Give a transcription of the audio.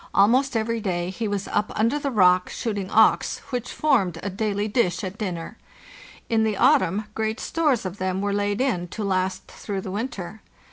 Almost every day he was up under the rock shooting auks, which formed a daily dish at dinner. In the autumn great stores of them were laid in to last through the winter.